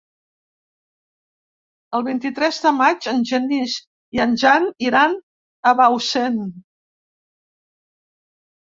El vint-i-tres de maig en Genís i en Jan iran a Bausen.